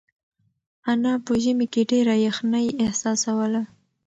انا په ژمي کې ډېره یخنۍ احساسوله.